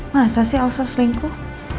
masa sih elsa selingkuh